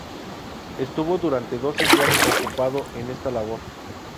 Estuvo durante doce días ocupado en esta labor.